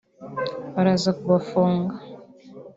baraza kubafunga